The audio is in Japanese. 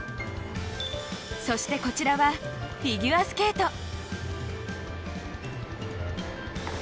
そして、こちらはフィギュアスケート！